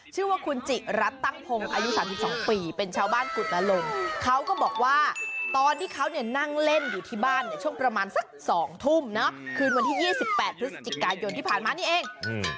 ชื่อว่าคุณจิรันตั้งพงศ์อายุ๓๒ปีเป็นชาวบ้านกุฏนลง